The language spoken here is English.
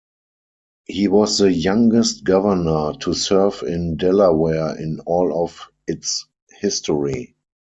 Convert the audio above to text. He was the youngest governor to serve in Delaware in all of its history.